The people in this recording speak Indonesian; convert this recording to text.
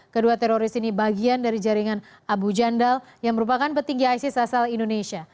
kedua teroris ini bagian dari jaringan abu jandal yang merupakan petinggi isis asal indonesia